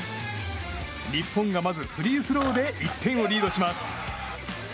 日本がまずフリースローで１点をリードします。